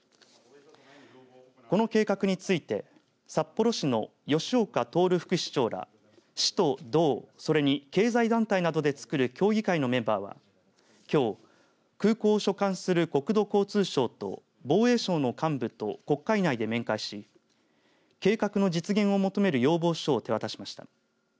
この計画について札幌市の吉岡享副市長ら市と道、それに経済団体などでつくる協議会のメンバーはきょう空港を所管する国土交通省と防衛省の幹部と国会内で面会し計画の実現を求める要望書を手渡しました。